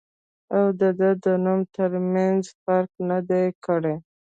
او د دۀ د نوم تر مېنځه فرق نۀ دی کړی